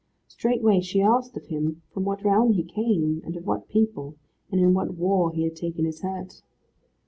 Straightway she asked of him from what realm he came, and of what people, and in what war he had taken his hurt.